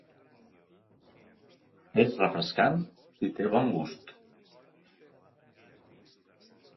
És refrescant i té bon gust.